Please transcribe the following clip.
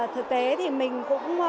thực tế thì mình cũng